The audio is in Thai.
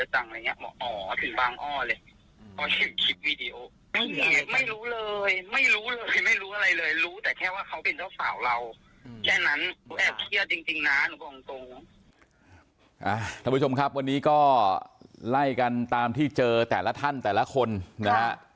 ท่านผู้ชมครับวันนี้ก็ไล่กันตามที่เจอแต่ละท่านแต่ละคนนะฮะ